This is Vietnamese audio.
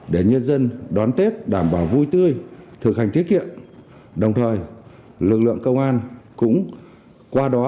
để nhân dân đón tết đảm bảo vui tươi thực hành tiết kiệm đồng thời lực lượng công an cũng qua đó